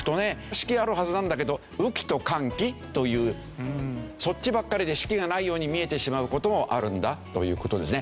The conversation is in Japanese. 四季あるはずなんだけど雨季と乾季というそっちばっかりで四季がないように見えてしまう事もあるんだという事ですね。